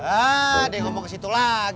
ada yang ngomong kesitu lagi